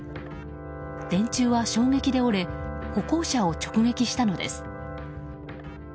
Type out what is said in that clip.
電柱は衝撃で折れ歩行者を直撃したのです。